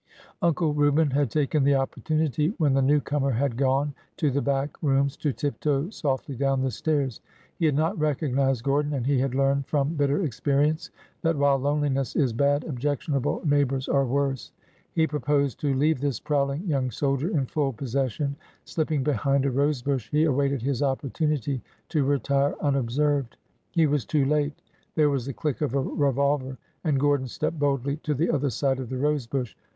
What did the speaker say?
'' Uncle Reuben had taken the opportunity, when the newcomer had gone to the back rooms, to tiptoe softly down the stairs. He had not recognized Gordon, and he had learned from bitter experience that while loneliness is bad, objectionable neighbors are worse. He proposed to leave this prowling young soldier in full possession. Slip ping behind a rose bush, he awaited his opportunity to retire unobserved. He was too late. There was the click of a revolver, and Gordon stepped boldly to the other side of the rose bush.